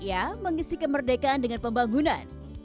ya mengisi kemerdekaan dengan pembangunan